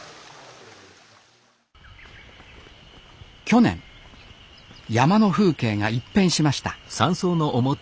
去年山の風景が一変しました